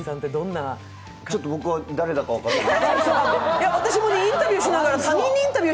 ちょっと僕は誰だか分からない。